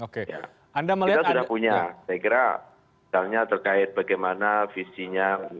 kita sudah punya saya kira misalnya terkait bagaimana visinya